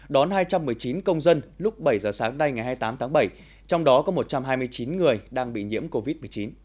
đón hai trăm một mươi chín công dân lúc bảy giờ sáng nay ngày hai mươi tám tháng bảy trong đó có một trăm hai mươi chín người đang bị nhiễm covid một mươi chín